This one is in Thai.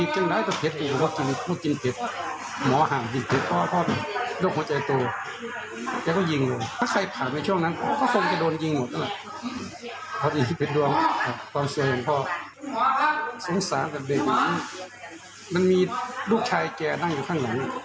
สงสารมันมีลูกชายแกนั่งอยู่ข้างหลัง